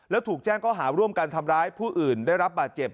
แล้วถูกแจ้งก็หาร่วมกันทำร้ายผู้อื่นได้รับบาดเจ็บ